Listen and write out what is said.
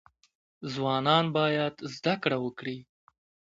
ځوانان باید زده کړه وکړي